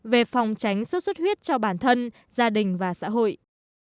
về phòng tránh suốt suốt huyết cho bản thân gia đình và xã hội